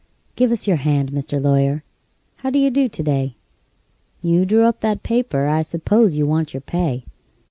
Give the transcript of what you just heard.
"GIVE US YOUR HAND, MR. LAWYER: HOW DO YOU DO TO DAY?" You drew up that paper I s'pose you want your pay.